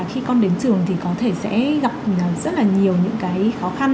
khi con đến trường thì có thể sẽ gặp rất là nhiều những cái khó khăn